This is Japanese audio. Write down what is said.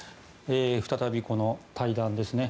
再びこの対談ですね。